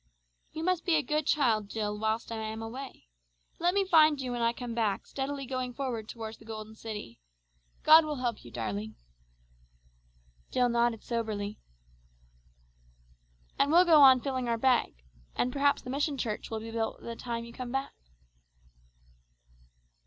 "You must be a good child, Jill, whilst I am away. Let me find you when I come back steadily going forward towards the Golden City. God will help you, darling." Jill nodded soberly. "And we'll go on filling our bag. And perhaps the mission church will be built by the time you come back."